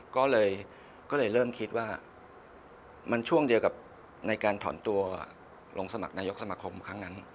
ก็เลยเริ่มคิดว่ามันช่วงเดียวกับในการถอนตัวลงสมัครนายกสมาคมครั้งนั้น